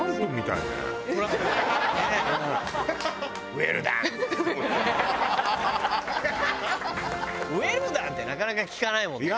ウェルダンってなかなか聞かないもんね。